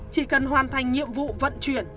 khi cần hoàn thành nhiệm vụ vận chuyển